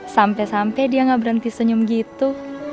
sampe sampe dia gak berhenti senyum gitu